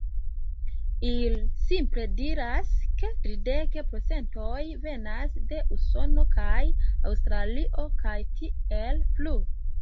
Ili simple diras, ke tridek procentoj venas de Usono, kaj Aŭstralio, kaj tiel plu.